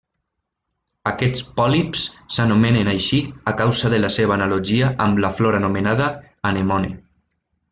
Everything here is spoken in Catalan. Aquests pòlips s'anomenen així a causa de la seva analogia amb la flor anomenada anemone.